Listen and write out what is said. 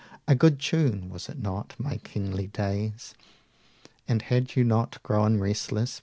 A good time, was it not, my kingly days? 165 And load you not grown restless